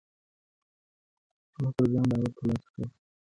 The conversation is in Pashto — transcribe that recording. هغه پر ځان باور ترلاسه کړ.